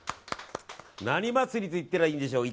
何祭りって言ったらいいんでしょう。